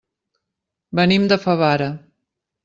Venim de Favara.